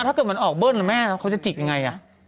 ถ้าเกิดมันออกเบิ้ลแม่เขาจะจิกยังไง